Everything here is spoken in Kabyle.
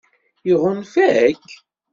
Iɣunfa-k?